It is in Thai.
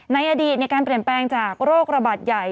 ในอดีตการเปลี่ยนแปลงจากโรคระบาดใหญ่